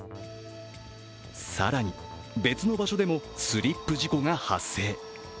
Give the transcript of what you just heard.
更に、別の場所でもスリップ事故が発生。